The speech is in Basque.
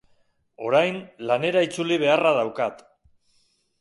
Orain, lanera itzuli beharra daukat.